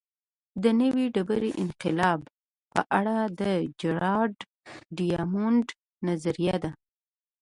د نوې ډبرې انقلاب په اړه د جراډ ډیامونډ نظریه ده